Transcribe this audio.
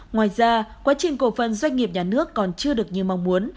ngoài ra quá trình cổ phần doanh nghiệp nhà nước còn chưa được như mong muốn